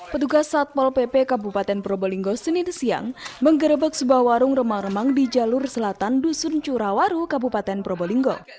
petugas satpol pp kabupaten probolinggo senin siang menggerebek sebuah warung remang remang di jalur selatan dusun curawaru kabupaten probolinggo